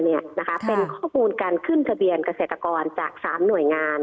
นี่นะคะเป็นข้อมูลการขึ้นทะเบียนเกษตรกรจาก๓หน่วยงาน